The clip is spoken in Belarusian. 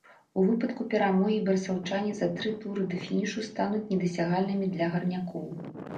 У выпадку перамогі барысаўчане за тры туры да фінішу стануць недасягальнымі для гарнякоў.